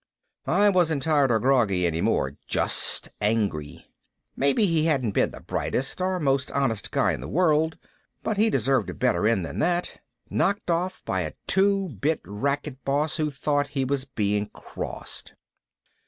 I wasn't tired or groggy any more. Just angry. Maybe he hadn't been the brightest or most honest guy in the world. But he deserved a better end than that. Knocked off by a two bit racket boss who thought he was being crossed.